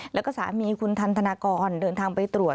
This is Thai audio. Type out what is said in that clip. แล้วก็สามีคุณทันธนากรเดินทางไปตรวจ